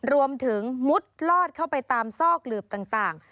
มุดลอดเข้าไปตามซอกหลืบต่าง